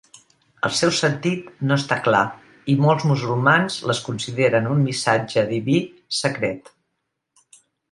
El seu sentit no està clar i molts musulmans les consideren un missatge diví secret.